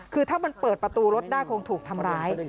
คือถ้ามันเปิดประตูรถได้คงถูกทำร้าย